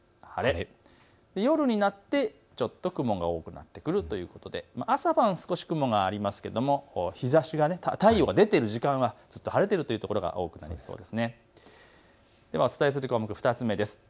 昼過ぎも晴れ、夕方も晴れ、夜になってちょっと雲が多くなってくるということで朝晩少し雲がありますけども太陽が出ている時間がずっと晴れているというところが多くなりそうです。